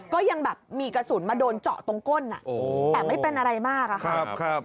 ก็ยังแบบมีกระสุนมาโดนเจาะตรงก้นแต่ไม่เป็นอะไรมากอะค่ะ